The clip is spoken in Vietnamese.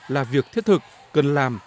là việc thiết thực cần làm